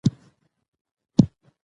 د نجونو تعليم د عامه اړيکو باور زياتوي.